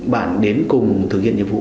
bạn đến cùng thực hiện nhiệm vụ